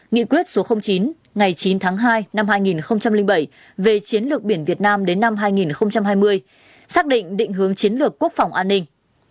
nghị quyết số chín ngày chín tháng hai năm hai nghìn bảy về chiến lược biển việt nam đến năm hai nghìn hai mươi xác định định hướng chiến lược quốc phòng an ninh